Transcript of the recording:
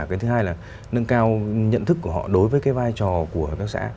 cái thứ hai là nâng cao nhận thức của họ đối với cái vai trò của hợp tác xã